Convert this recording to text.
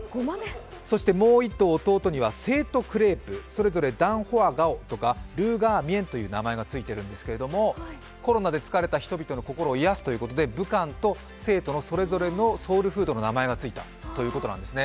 そしてもう一頭、弟には成都クレープそれぞれ、ダンホンガオとか、ルーガンミエンという名前がついているんですが、コロナで疲れた人々を癒やすということで武漢と成都のそれぞれのソウルフードの名前がついたということなんですね。